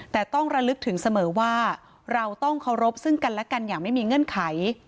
แต่ต้องระลึกถึงเสมอว่าเราต้องเคารพซึ่งกันและกันอย่างไม่มีเงื่อนไข